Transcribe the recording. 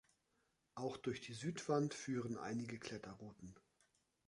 Auch durch die Südwand führen einige Kletterrouten.